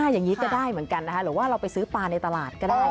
อย่างนี้ก็ได้เหมือนกันนะคะหรือว่าเราไปซื้อปลาในตลาดก็ได้